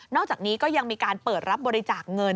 อกจากนี้ก็ยังมีการเปิดรับบริจาคเงิน